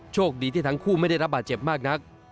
โชคดีที่ทั้งคู่ไม่ได้รับบาดเจ็บมากนัก